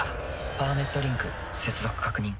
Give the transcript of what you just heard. パーメットリンク接続確認。